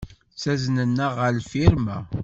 Ttaznen-aɣ ɣer lfirma.